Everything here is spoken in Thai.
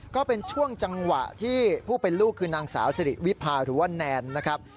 ก็เป็นช่วงจังหวะที่ผู้เป็นลูกคือนางสาวสิริวิพาหรือว่าแนนนะครับ